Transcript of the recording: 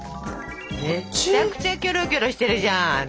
めちゃくちゃキョロキョロしてるじゃん。何よ？